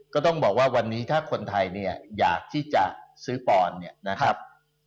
ก็ต้องบอกว่าวันนี้ถ้าคนไทยเนี่ยอยากที่จะซื้อปอนด์เนี่ยนะครับ